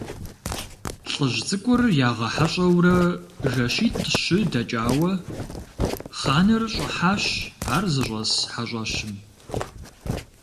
ЛӀыжь цӀыкӀур ягъэхьэщӀэурэ жэщитӀ-щы дэкӀауэ, хъаныр щӀыхьащ ар зыщӀэс хьэщӀэщым.